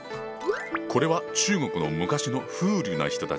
これは中国の昔の風流な人たちを描いた絵。